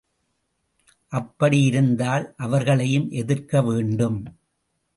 அப்படி இருந்தால் அவர்களையும் எதிர்க்க வேண்டும்.